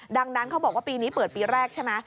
ดังนั้นเขาบอกว่าปีนี้เปิดปีแรกใช่ไหม